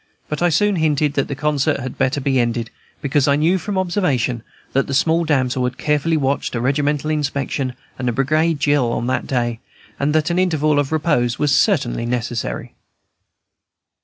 But I soon hinted that the concert had better be ended, because I knew from observation that the small damsel had Carefully watched a regimental inspection and a brigade drill on that day, and that an interval of repose was certainly necessary.